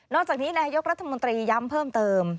จากนี้นายกรัฐมนตรีย้ำเพิ่มเติม